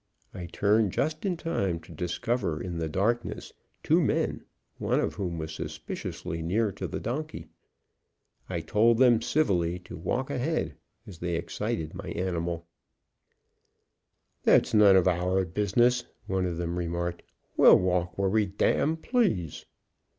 I turned just in time to discover in the darkness two men, one of whom was suspiciously near to the donkey. I told them civilly to walk ahead, as they excited my animal. "That's none of our business," one of them remarked; "we'll walk where we d d please."